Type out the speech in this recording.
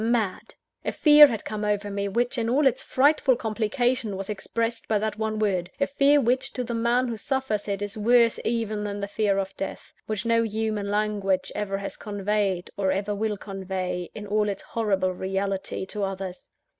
"MAD!" a fear had come over me, which, in all its frightful complication, was expressed by that one word a fear which, to the man who suffers it, is worse even than the fear of death; which no human language ever has conveyed, or ever will convey, in all its horrible reality, to others.